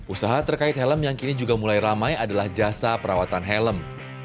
usaha terkait helm yang kini juga mulai ramai adalah jasa perawatan helm